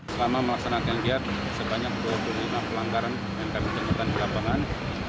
selama melaksanakan giat sebanyak dua puluh lima pelanggaran yang kami temukan di lapangan